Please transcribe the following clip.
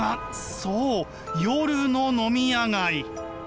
そう夜の飲み屋街。